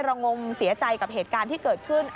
งงเสียใจกับเหตุการณ์ที่เกิดขึ้น